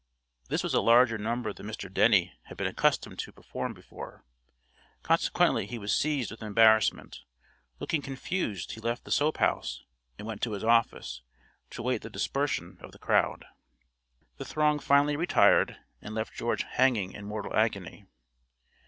This was a larger number than Mr. Denny had been accustomed to perform before, consequently he was seized with embarrassment; looking confused he left the soap house and went to his office, to await the dispersion of the crowd. The throng finally retired, and left George hanging in mortal agony.